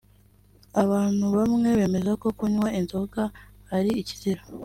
Abantu bamwe bemeza ko kunywa inzoga ari ikizira